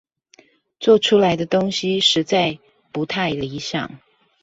做出來的東西實在不太理想